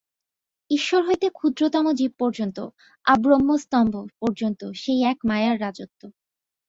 ঈশ্বর হইতে ক্ষুদ্রতম জীব পর্যন্ত, আব্রহ্মস্তম্ব পর্যন্ত সেই এক মায়ার রাজত্ব।